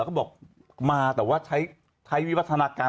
เขาบอกมาแต่ว่าใช้วิพัฒนาการ